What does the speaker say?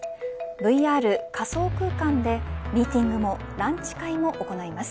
ＶＲ仮想空間でミーティングもランチ会も行います。